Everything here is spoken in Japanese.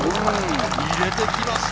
入れてきました！